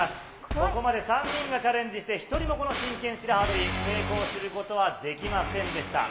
ここまで３人がチャレンジして、一人もこの真剣白刃取り、成功することはできませんでした。